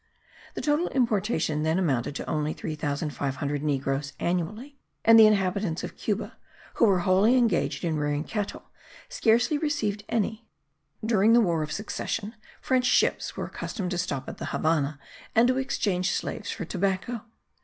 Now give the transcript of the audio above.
The total importation then amounted to only 3500 negroes annually; and the inhabitants of Cuba, who were wholly engaged in rearing cattle, scarcely received any. During the war of succession, French ships were accustomed to stop at the Havannah and to exchange slaves for tobacco.